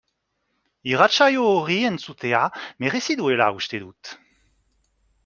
Irratsaio hori entzutea merezi duela uste dut.